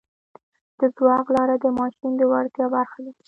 د ځواک لاره د ماشین د وړتیا برخه ده.